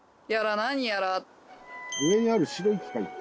上にある白い機械って。